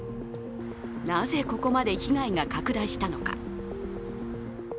なぜここまで被害が拡大したのか。